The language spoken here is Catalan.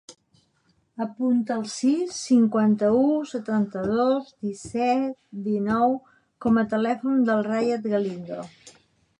Apunta el sis, cinquanta-u, setanta-dos, disset, dinou com a telèfon del Riad Galindo.